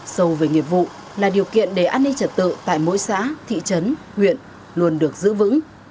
sâu về nghiệp vụ là điều kiện để an ninh trật tự tại mỗi xã thị trấn nguyện luôn được giữ vững